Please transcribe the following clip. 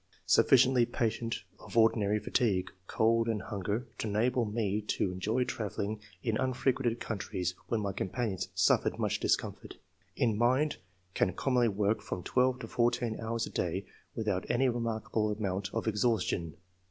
Sufliciently patient of ordinary fatigue, cold, and hunger, to enable me to enjoy travelling in unfrequented countries when my companions suffered much discomfort. In mind — Can com monly work from twelve to fourteen hours a day without any remarkable amount of exhaustion.